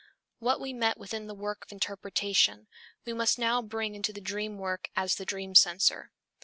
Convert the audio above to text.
What we met with in the work of interpretation, we must now bring into the dream work as the dream censor.